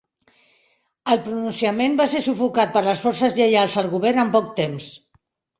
El pronunciament va ser sufocat per les forces lleials al govern en poc temps.